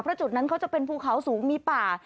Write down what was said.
เพราะจุดนั้นเขาจะเป็นภูเขาสูงมีป่า